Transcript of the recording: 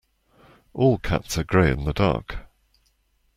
All cats are grey in the dark.